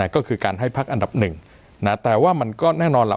ก็คือการให้พักอันดับหนึ่งแต่ว่ามันก็แน่นอนล่ะ